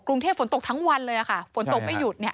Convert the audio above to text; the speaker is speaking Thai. กรุงเทพฝนตกทั้งวันเลยค่ะฝนตกไม่หยุดเนี่ย